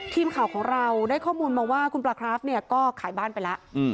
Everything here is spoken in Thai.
ทีมข่าวของเราได้ข้อมูลมาว่าคุณปลาคราฟเนี่ยก็ขายบ้านไปแล้ว